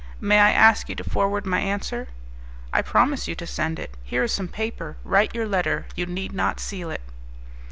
May I ask you to forward my answer?" "I promise you to send it. Here is some paper, write your letter; you need not seal it."